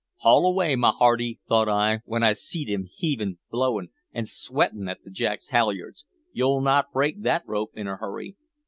"`Haul away, my hearty,' thought I, w'en I seed him heavin', blowin', an' swettin' at the jack's halyards, `you'll not break that rope in a hurry.'